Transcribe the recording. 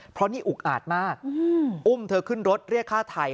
เพราะนี่อุกอาจมากอุ้มเธอขึ้นรถเรียกฆ่าไทย